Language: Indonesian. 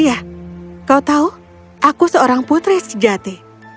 iya kau tahu aku seorang putri sejati